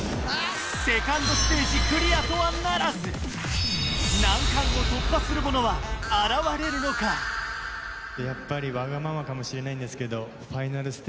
セカンドステージクリアとはならず難関を突破する者は現れるのかやっぱりわがままかもしれないんですけど。